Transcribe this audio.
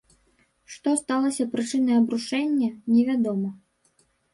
Што сталася прычынай абрушэння, невядома.